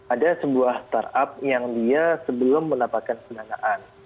ada sebuah startup yang dia sebelum mendapatkan pendanaan